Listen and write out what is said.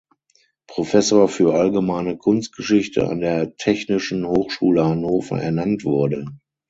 Professor für allgemeine Kunstgeschichte an der Technischen Hochschule Hannover ernannt wurde.